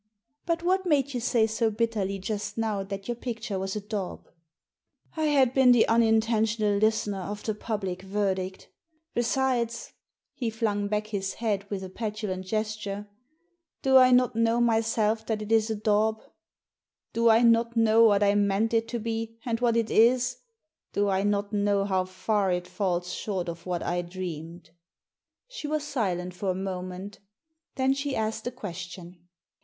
"But what made you say so bitterly just now that your picture was a daub ?"I had been the unintentional listener of the public verdict Besides"— he flung back his head with a petulant gesture—'' do I not know myself that it is Digitized by VjOOQIC THE TIPSTER 125 a daub! Do I not know what I meant it to be, and what it is! Do I not know how far it falls short of what I dreamed !" She was silent for a moment Then she asked a question.